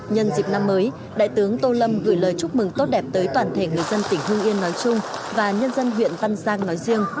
nhân dịp năm mới đại tướng tô lâm gửi lời chúc mừng tốt đẹp tới toàn thể người dân tỉnh hưng yên nói chung và nhân dân huyện văn giang nói riêng